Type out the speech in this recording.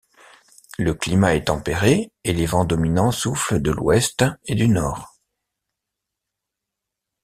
Le climat est tempéré et les vents dominants soufflent de l'ouest et du nord.